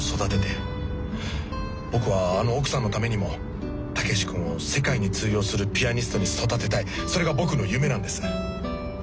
僕はあの奥さんのためにも武志君を世界に通用するピアニストに育てたいそれが僕の夢なんです。